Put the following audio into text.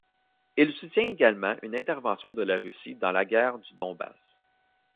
Il soutient également une intervention de la Russie dans la guerre du Donbass.